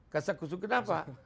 kasak kusuk kenapa